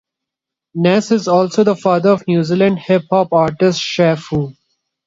Ness is also the father of New Zealand hip hop artist Che Fu.